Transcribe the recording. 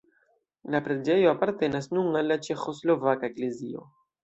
La preĝejo apartenas nun al la Ĉeĥoslovaka eklezio.